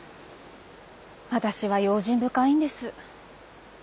私は用心深いんです。